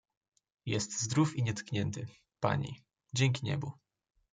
"jest zdrów i nietknięty, pani, dzięki niebu!"